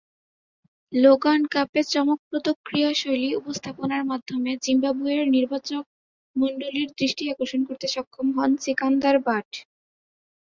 Logan কাপে চমকপ্রদ ক্রীড়াশৈলী উপস্থাপনার মাধ্যমে জিম্বাবুয়ের নির্বাচকমণ্ডলীর দৃষ্টি আকর্ষণ করতে সক্ষম হন সিকান্দার বাট।